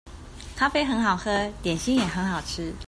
咖啡好喝，點心也很好吃